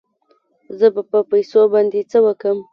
زه به په پيسو باندې څه وکم.